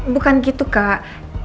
bukan gitu kak